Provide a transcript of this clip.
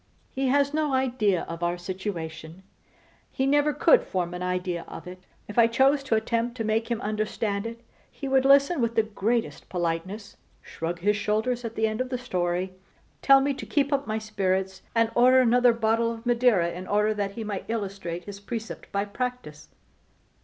He has no idea of our situation; he never could form an idea of it. If I chose to attempt to make him understand it he would listen with the greatest politeness, shrug his shoulders at the end of the story, tell me to keep up my spirits, and order another bottle of Madeira in order that he might illustrate his precept by practice.